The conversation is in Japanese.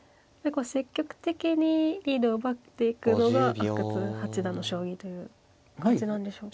こう積極的にリードを奪っていくのが阿久津八段の将棋という感じなんでしょうか。